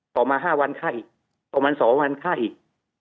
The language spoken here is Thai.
ต่อมา๕วันฆ่าอีกต่อวัน๒วันฆ่าอีก